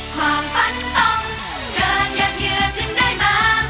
ความฝันต้องเกินยากเหงื่อจิ้มได้มา